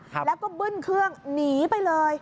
ครับแล้วก็บึ้นเครื่องหนีไปเลย